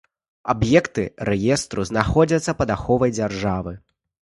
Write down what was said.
Аб'екты рэестру знаходзяцца пад аховай дзяржавы.